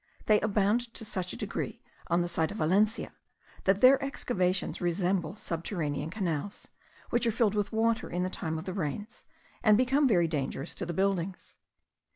They abound to such a degree on the site of Valencia, that their excavations resemble subterranean canals, which are filled with water in the time of the rains, and become very dangerous to the buildings.